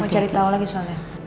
mau cari tahu lagi soalnya